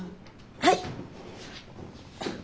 はい。